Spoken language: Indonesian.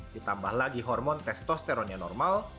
ditambah lagi hormon testosteron yang normal